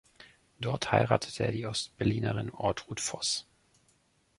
Dort heiratete er die Ost-Berlinerin Ortrud Voß.